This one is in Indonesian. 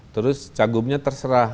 terus cagumnya terserah